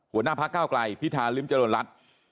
หัวหน้าพระเก้ากลายพิธาริมจรวรรณรัฐ